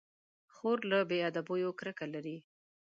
خور له بې ادبيو کرکه لري.